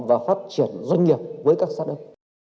và phát triển doanh nghiệp với các sát hấp